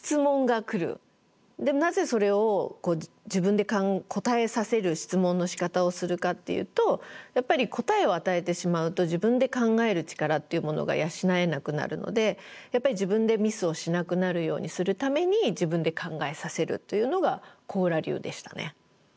なぜそれを自分で答えさせる質問のしかたをするかっていうとやっぱり答えを与えてしまうと自分で考える力っていうものが養えなくなるのでやっぱり自分でミスをしなくなるようにするために自分で考えさせるというのが小浦流でしたね。